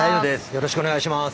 よろしくお願いします。